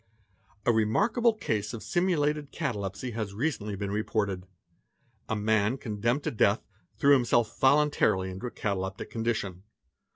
| "A remarkable case of simulated catalepsy has recently been reported. — A man condemned to death threw himself voluntarily into a cataleptic — condition.